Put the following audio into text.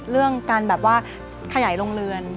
เรื่องขยายโรงเรือน